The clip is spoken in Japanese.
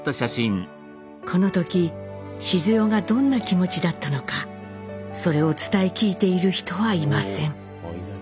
この時シズヨがどんな気持ちだったのかそれを伝え聞いている人はいません。